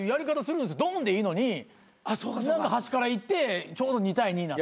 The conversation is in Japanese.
ドンでいいのに何か端からいってちょうど２対２になった。